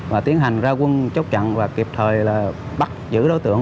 và tiến hành ra quân chốc chặn và kịp thời bắt giữ đối tượng